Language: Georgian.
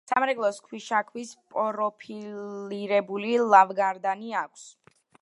სამრეკლოს ქვიშაქვის პროფილირებული ლავგარდანი აქვს.